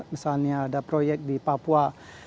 misalnya ada proyek di papua